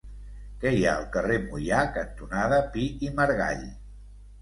Què hi ha al carrer Moià cantonada Pi i Margall?